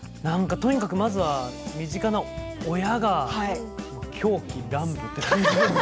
とにかくまずは身近な親が狂喜乱舞という感じで。